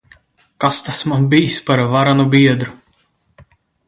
Kas tas man bijis par varenu biedru!